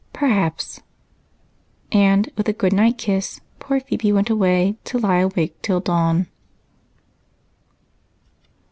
"Perhaps." And with a good night kiss, poor Phebe went away, to lie awake till dawn.